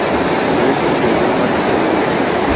Reglas nivel básico I".